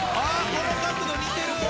その角度似てる！